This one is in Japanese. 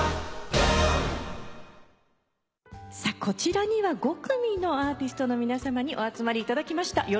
こちらには５組のアーティストの皆さまにお集まりいただきました。